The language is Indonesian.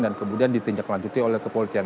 dan kemudian ditinjak lanjutnya oleh kepolisian